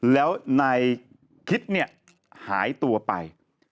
แล้วในคิดหายตัวไป